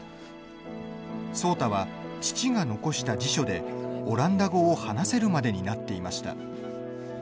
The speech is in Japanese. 壮多は父が残した辞書でオランダ語を話せるまでになっていました。